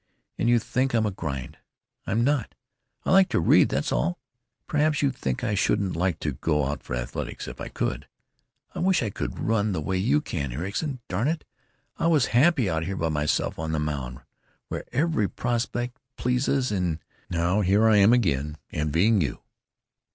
And you think I'm a grind. I'm not. I like to read, that's all. Perhaps you think I shouldn't like to go out for athletics if I could! I wish I could run the way you can, Ericson. Darn it! I was happy out here by myself on the Mound, where every prospect pleases, and—'n' now here I am again, envying you."